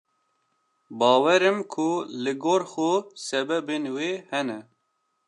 Bawerim ku li gor xwe sebebên wî hene.